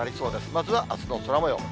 まずはあすの空もよう。